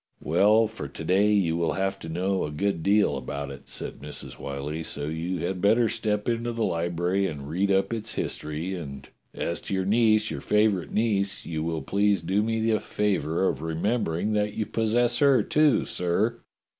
"Well, for to day you will have to know a good deal about it," said INIrs. Whyllie, "so you had better step into the library and read up its history, and as to your niece, your favourite niece, you will please do me the favour of remembering that you possess her, too, sir.